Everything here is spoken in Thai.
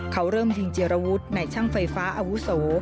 เขาเริ่มยิงเจรวุฒิในช่างไฟฟ้าอาวุโส